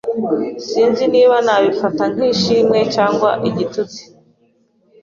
Sinzi niba nabifata nk'ishimwe cyangwa igitutsi.